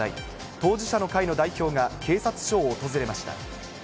当事者の会の代表が警察署を訪れました。